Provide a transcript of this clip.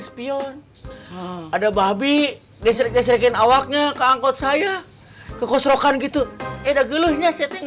spion ada babi desekin awaknya ke angkot saya ke kosrokan gitu ada geluhnya setting